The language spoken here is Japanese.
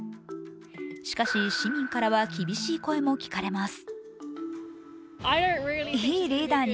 しかし市民からは厳しい声も聞かれます。